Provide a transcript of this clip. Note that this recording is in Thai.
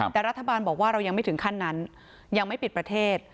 แต่รัฐบาลบอกว่าเรายังไม่ถึงขั้นนั้นยังไม่ปิดประเทศ